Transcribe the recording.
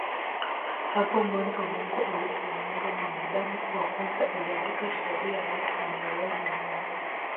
Hapo Mwanzo Mungu alipomuumba Mwanadamu wa kwanza Aliandika sheria yake Mioyoni mwao